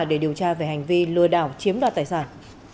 để điều tra về hành vi lừa đảo chiếm đoạt tài sản